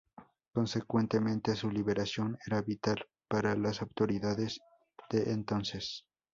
Consecuentemente, su liberación era vital para las autoridades de entonces.